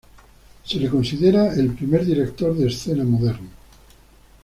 Se le considera como el primer director de escena moderno.